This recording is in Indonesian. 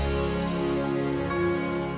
waybop mantap banget ya